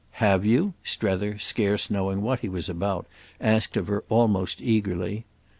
"Have you?" Strether, scarce knowing what he was about, asked of her almost eagerly.